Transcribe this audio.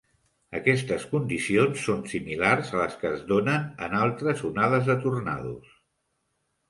Aquestes condicions són similars a les que es donen en altres onades de tornados.